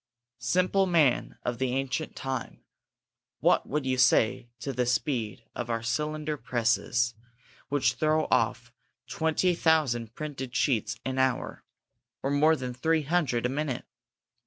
Simple man of the ancient time! What would you say to the speed of our cylinder presses, which throw off twenty thousand printed sheets an hour, or more than three hundred a minute!